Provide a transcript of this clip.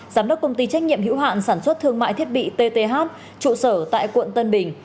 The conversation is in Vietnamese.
giám đốc công ty trách nhiệm hữu hạn sản xuất thương mại thiết bị tth trụ sở tại quận tân bình